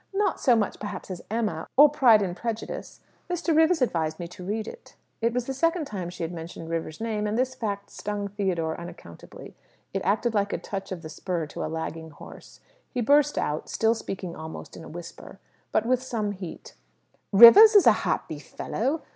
"Not so much, perhaps, as 'Emma,' or 'Pride and Prejudice.' Mr. Rivers advised me to read it." It was the second time she had mentioned Rivers's name, and this fact stung Theodore unaccountably. It acted like a touch of the spur to a lagging horse. He burst out, still speaking almost in a whisper, but with some heat "Rivers is a happy fellow!